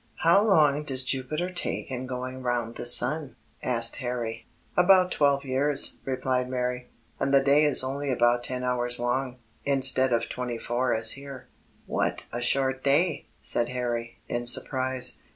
"How long does Jupiter take in going round the sun?" asked Harry. "About twelve years," replied Mary; "and the day is only about ten hours long, instead of twenty four as here." "What a short day!" said Harry, in surprise.